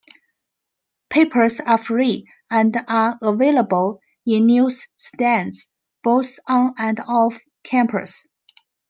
Papers are free, and are available in news-stands both on and off campus.